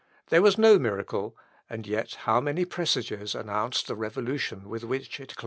There was no miracle; and yet how many presages announced the revolution with which it closed?